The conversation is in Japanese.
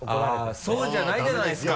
「そうじゃないじゃないですか！」